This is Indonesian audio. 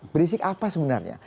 berisik apa sebenarnya